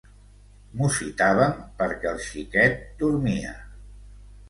Mussitàvem perquè el xiquet dormia.